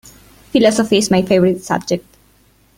Philosophy is my favorite subject.